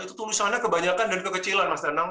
itu tulisannya kebanyakan dan kekecilan mas danang